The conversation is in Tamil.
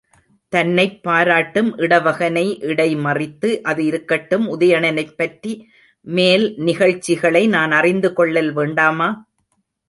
தன்னைப் பாராட்டும் இடவகனை இடைமறித்து, அது இருக்கட்டும், உதயணனைப் பற்றி மேல்நிகழ்ச்சிகளை நான் அறிந்து கொள்ளல் வேண்டாமா?